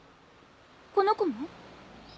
この子も？